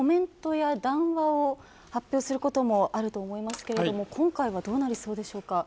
このミサイル発射後に北朝鮮がコメントや談話を発表することもあると思いますけど今回はどうなりそうでしょうか。